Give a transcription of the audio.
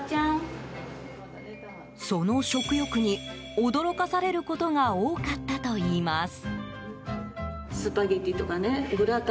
その食欲に驚かされることが多かったといいます。